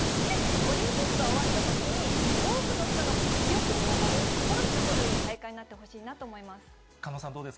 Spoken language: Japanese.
オリンピックが終わったときに、多くの人の記憶に残る、心に残る大会になってほしいなと思います。